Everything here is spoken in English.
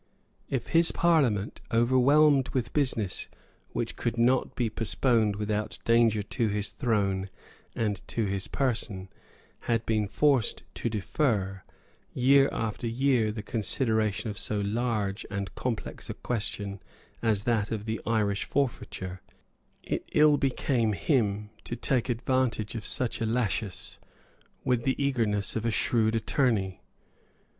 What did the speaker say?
If his Parliament, overwhelmed with business which could not be postponed without danger to his throne and to his person, had been forced to defer, year after year, the consideration of so large and complex a question as that of the Irish forfeitures, it ill became him to take advantage of such a laches with the eagerness of a shrewd attorney.